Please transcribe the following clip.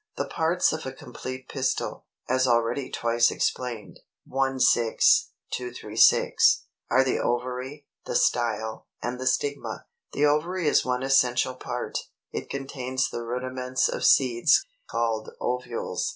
302. =The Parts of a Complete Pistil=, as already twice explained (16, 236), are the OVARY, the STYLE, and the STIGMA. The ovary is one essential part: it contains the rudiments of seeds, called OVULES.